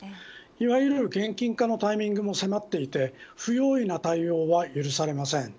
いわゆる現金化のタイミングも迫っていて不用意な対応は許されません。